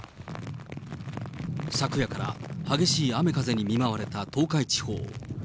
昨夜から激しい雨風に見舞われた東海地方。